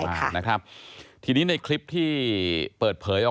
ก็ไม่รู้ว่าฟ้าจะระแวงพอพานหรือเปล่า